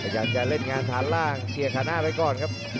อยากจะเล่นงานฐานล่างเกียร์ฐานหน้าไปก่อนครับ